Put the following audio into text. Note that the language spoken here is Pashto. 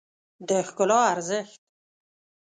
د ښکلا ارزښت